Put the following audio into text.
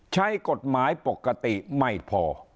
ใช้กฎหมายปกติไม่พอ